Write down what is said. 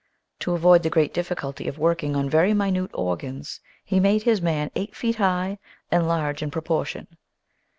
To avoid the great difficulty of working on very minute organs he made his man eight feet high and large in pro portion.